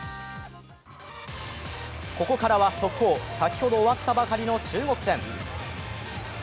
ここからは速報、先ほど終わったばかりの中国戦。